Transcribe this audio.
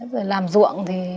rồi làm ruộng thì